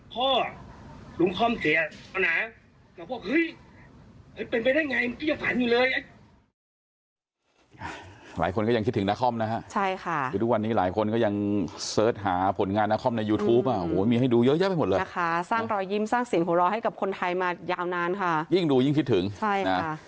พ่อลุงค่อมเสียตอนนั้นก็บอกว่าเฮ้ยเป็นไปได้ไงมันก็ยังฝันอยู่เลย